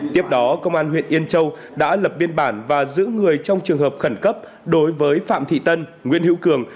tiếp đó công an huyện yên châu đã lập biên bản và giữ người trong trường hợp khẩn cấp đối với phạm thị tân nguyễn hữu cường